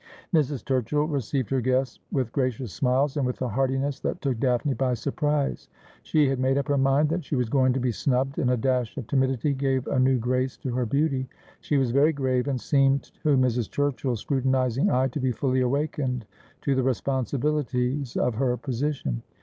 Mrs. Turchill received her guests with gracious smiles and with a heartiness that took Daphne by surprise. She had made up her mind that she was going to be snubbed, and a dash of timidity gave a new grace to her beauty. She was very grave, and seemed, to Mrs. Turchill's scrutinising eye, to be fully awakened to the responsibilities of her position.